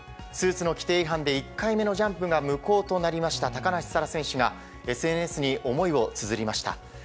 スーツの規定違反で１回目のジャンプが無効となりました高梨沙羅選手が、ＳＮＳに思いをつづりました。